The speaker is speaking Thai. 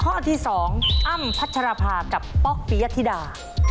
ข้อที่๒อ้ำพัชรภากับป๊อกปียธิดา